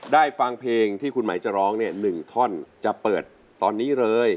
ฟังเพลงที่คุณหมายจะร้องเนี่ย๑ท่อนจะเปิดตอนนี้เลย